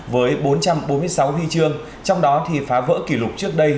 với bốn trăm bốn mươi sáu huy chương trong đó thì phá vỡ kỷ lục trước đây